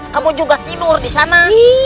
kamu juga tidur di sana